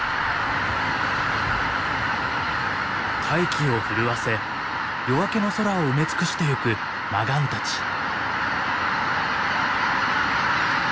大気を震わせ夜明けの空を埋め尽くしてゆくマガンたち。